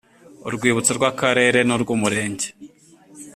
urwibutso rw Akarere n urw Umurenge